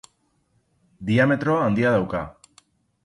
Diametro handia dauka.